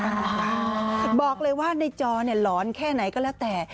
บอกเลยว่าในจอเนี่ยหลอนแค่ไหนก็แล้วแต่